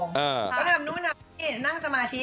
นั่นแหละนะนั่งสมาธิ